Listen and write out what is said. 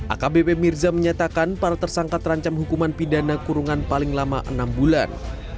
akbp mirza menyatakan para tersangka terancam hukuman pidana kurungan paling lama enam bulan